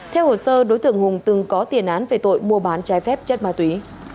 theo hồ sơ đối tượng hùng từng có tiền án về tội mua bán trái phép chất ma túy